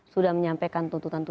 sudah menyampaikan tuntutan itu